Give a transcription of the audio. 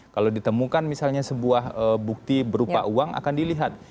kalau ditemukan misalnya sebuah bukti berupa uang akan dilihat